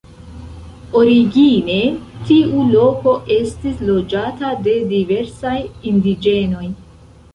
Origine tiu loko estis loĝata de diversaj indiĝenoj.